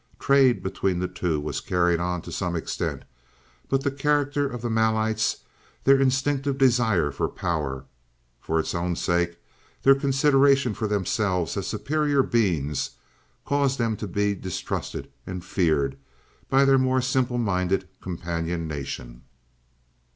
Trade between the two was carried on to some extent, but the character of the Malites, their instinctive desire for power, for its own sake, their consideration for themselves as superior beings, caused them to be distrusted and feared by their more simple minded companion nation.